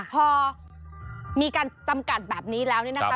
พอมีการจำกัดแบบนี้แล้วนี่นะคะ